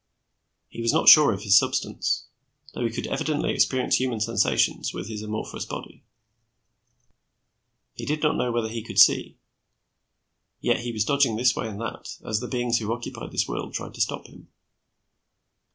He was not sure of his substance, though he could evidently experience human sensations with his amorphous body. He did not know whether he could see; yet, he was dodging this way and that, as the beings who occupied this world tried to stop him.